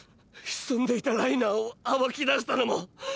潜んでいたライナーを暴き出したのも。